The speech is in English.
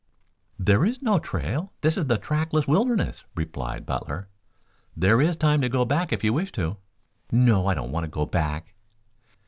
"There is no trail. This is the trackless wilderness," replied Butler. "There is time to go back if you wish to." "No, I don't want to go back."